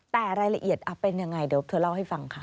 แต่รายละเอียดเป็นยังไงเดี๋ยวเธอเล่าให้ฟังค่ะ